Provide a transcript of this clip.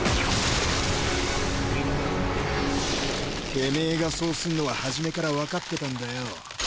テメエがそうすんのは初めからわかってたんだよ。